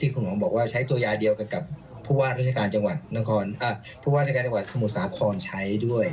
ก็ได้ตัวยาเดียวกับผู้วาดรุจการจังหวัดสมุทรสาครคลอลใช้ด้วย